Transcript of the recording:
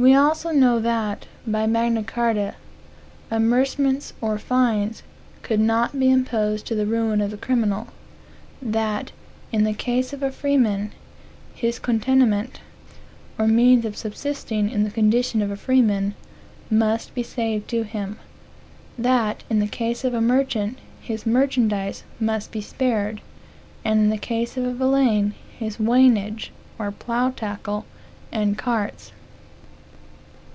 We also know that, by Magna Carta, amercements, or fines, could not be imposed to the ruin of the criminal; that, in the case of a freeman, his contenement, or means of subsisting in the condition of a freeman, must be saved to him; that, in the case of a merchant, his merchandise must be spared; and in the case of a villein, his waynage, or plough tackle and carts.